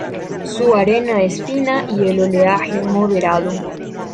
Su arena es fina y el oleaje moderado.